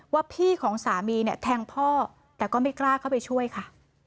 ว่าพี่ของสามีเนี่ยแทงพ่อแต่ก็ไม่กล้าเข้าไปช่วยค่ะ